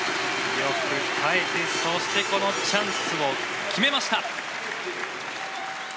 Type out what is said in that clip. よく耐えて、そしてこのチャンスを決めました。